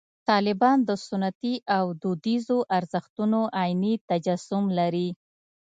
طالبان د سنتي او دودیزو ارزښتونو عیني تجسم لري.